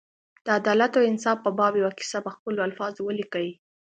د عدالت او انصاف په باب یوه کیسه په خپلو الفاظو ولیکي.